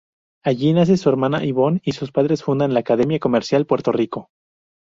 Allí nace su hermana, Yvonne, y sus padres fundan la Academia Comercial Puerto Rico.